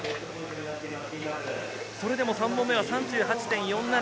それでも３本目は３８．４７。